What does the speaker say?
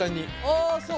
ああそう。